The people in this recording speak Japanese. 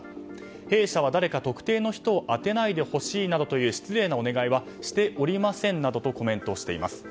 弊社は、誰か特定の人を当てないでほしいなどという失礼なお願いはしておりませんなどとコメントしています。